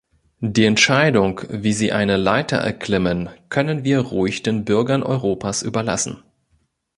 Die Entscheidung, wie sie eine Leiter erklimmen, können wir ruhig den Bürgern Europas überlassen.